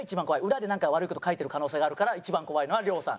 裏でなんか悪い事書いてる可能性があるから一番怖いのは亮さん。